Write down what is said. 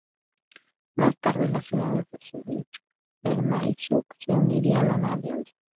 Más tarde las ciudades de Zúrich, Berna y Zug se unirían a la alianza.